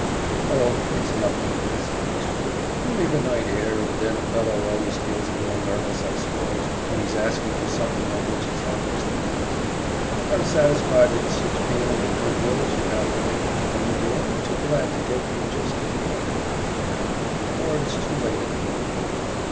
"Oh, it's nothing!" he said hastily, "only the night air, and then a fellow always feels a little nervous, I suppose, when he's asking for something on which his happiness depends. I'm satisfied with such feeling and good will as you have for me, and will be only too glad to get you just as you are. Come, before it is too late in the evening."